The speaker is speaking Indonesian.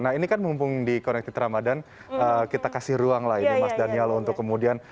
nah ini kan mumpung di connected ramadan kita kasih ruang lah ini mas daniel untuk kemudian